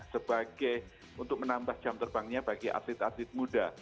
sebagai untuk menambah jam terbangnya bagi atlet atlet muda